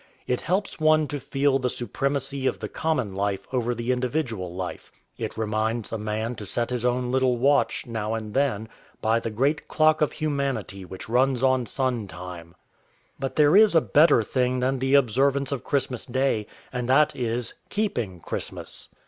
It helps one to feel the supremacy of the common life over the individual life. It reminds a man to set his own little watch, now and then, by the great clock of humanity which runs on sun time. But there is a better thing than the observance of Christmas day, and that is, keeping Christmas.